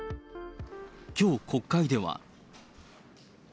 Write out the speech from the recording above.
きょう国会では。